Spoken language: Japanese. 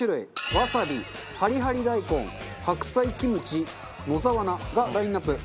「わさび」「ハリハリ大根」「白菜キムチ」「野沢菜」がラインアップ。